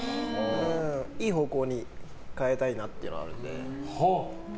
いい方向に変えたいなっていうのはあるので。